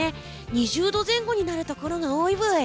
２０度前後になるところが多いブイ。